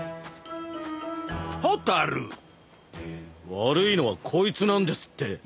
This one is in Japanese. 悪いのはこいつなんですって。